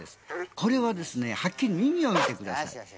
これははっきり耳を見てください。